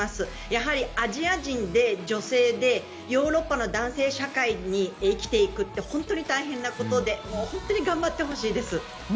やはり、アジア人で女性でヨーロッパの男性社会に生きていくって本当に大変なことで本当に頑張ってほしいです。